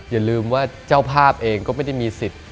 อย่าลืมว่าเจ้าภาพเองก็ไม่ได้มีสิทธิ์